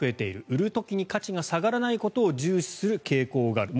売る時に価値が下がらないことを重視する傾向がある。